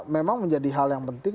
memang menjadi hal yang penting